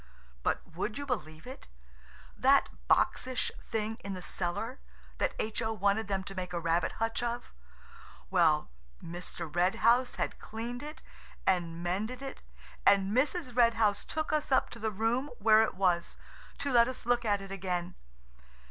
But would you believe it?–that boxish thing in the cellar, that H.O. wanted them to make a rabbit hutch of–well, Mr. Red House had cleaned it and mended it, and Mrs. Red House took us up to the room where it was, to let us look at it again.